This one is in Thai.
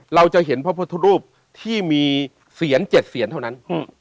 เราจะเห็นพระพุทธรูปที่มีเสียน๗เสียนเท่านั้น